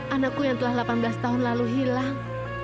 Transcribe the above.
anakku yang telah delapan belas tahun lalu hilang